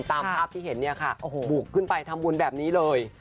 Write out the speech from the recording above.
ตามภาพที่เห็นเนี่ยค่ะโอ้โหบุกขึ้นไปทำบุญแบบนี้เลย